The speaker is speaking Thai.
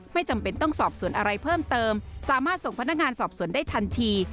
จำเป็นต้องสอบส่วนอะไรเพิ่มเติมสามารถส่งพนักงานสอบสวนได้ทันที